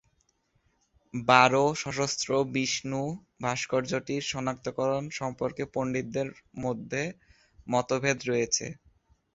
বারো-সশস্ত্র 'বিষ্ণু' ভাস্কর্যটির সনাক্তকরণ সম্পর্কে পণ্ডিতদের মধ্যে মতভেদ রয়েছে।